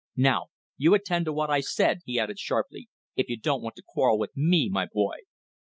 Now you attend to what I said," he added, sharply, "if you don't want to quarrel with me, my boy."